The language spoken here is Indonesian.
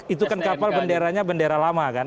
itu kan kapal benderanya bendera lama kan